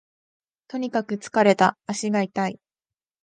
とにかく疲れた、足が痛い